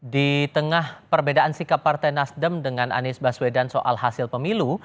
di tengah perbedaan sikap partai nasdem dengan anies baswedan soal hasil pemilu